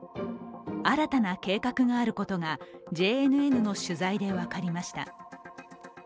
新たな計画があることがＪＮＮの取材で分かりました。